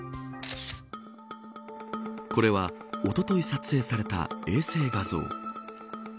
これは、おととい撮影された衛星画像。